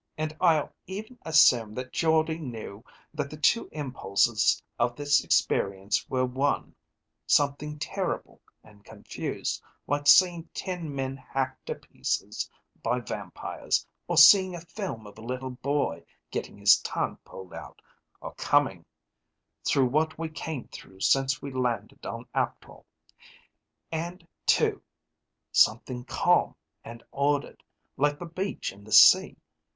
"And I'll even assume that Jordde knew that the two impulses of this experience were one something terrible and confused, like seeing ten men hacked to pieces by vampires, or seeing a film of a little boy getting his tongue pulled out, or coming through what we came through since we landed on Aptor; and two something calm and ordered, like the beach and the sea.